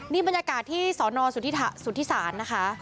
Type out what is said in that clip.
นี่บรรยากาศที่สอนอสุทธิศาสตร์นะคะ